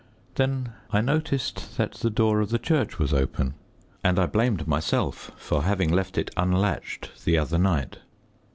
Then I noticed that the door of the church was open, and I blamed myself for having left it unlatched the other night.